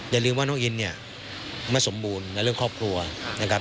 อย่าลืมว่าน้องอินเนี่ยไม่สมบูรณ์ในเรื่องครอบครัวนะครับ